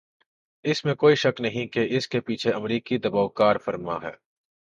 اس میں کوئی شک نہیں کہ اس کے پیچھے امریکی دبائو کارفرما ہے۔